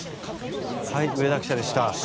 上田記者でした。